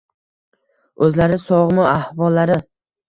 — O‘zlari sog‘mi, ahvollari?..